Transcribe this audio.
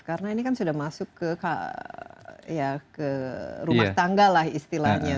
karena ini kan sudah masuk ke rumah tangga lah istilahnya